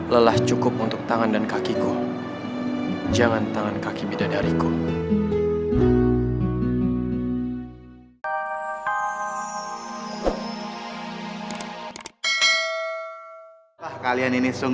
lelah cukup untuk tangan dan kakiku jangan tangan kaki bidadariku